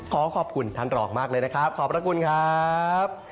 ขอขอบคุณท่านรองมากเลยนะครับขอบพระคุณครับ